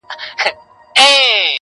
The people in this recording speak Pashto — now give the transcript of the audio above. چي څوک سپور ویني پر آس دی یې غلام وي -